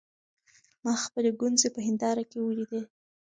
ما خپلې ګونځې په هېنداره کې وليدې.